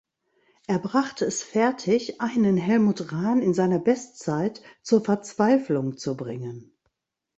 Er brachte es fertig einen Helmut Rahn in seiner Bestzeit zur Verzweiflung zu bringen.